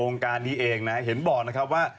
การนี้เองนะเห็นบอกนะครับว่า